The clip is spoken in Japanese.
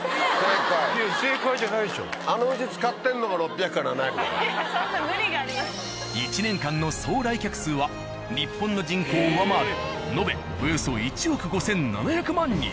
いやいやそんな１年間の総来客数は日本の人口を上回るのべおよそ１億５７００万人。